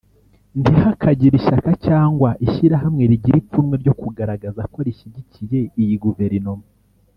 ntihakagire ishyaka cyangwa ishyirahamwe rigira ipfunwe ryo kugaragaza ko rishyigikiye iyi Guverinoma